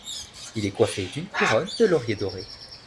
Il est coiffé d'une couronne de lauriers dorés.